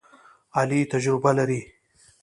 علي تجربه لري.